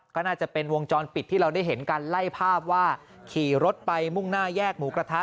ก็น่าจะเป็นวงจรปิดที่เราได้เห็นกันไล่ภาพว่าขี่รถไปมุ่งหน้าแยกหมูกระทะ